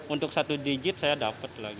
untuk satu digit saya dapat